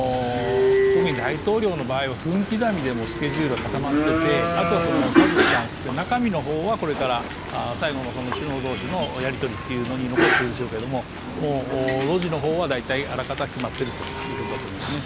特に大統領の場合は分刻みでスケジュールは固まっていて、あとは中身の方は、最後の首脳のやり取りに残っているでしょうけど、ロジは、あらかた決まっているということだと思いますね。